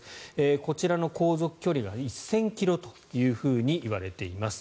こちらの航続距離が１０００ｋｍといわれています。